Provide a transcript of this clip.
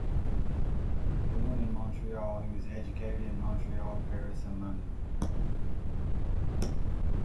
Born in Montreal, he was educated in Montreal, Paris, and London.